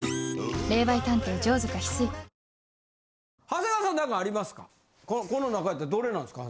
長谷川さんなんかありますか？